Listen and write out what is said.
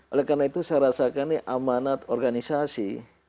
oleh karena itu saya rasakan ini amanat organisasi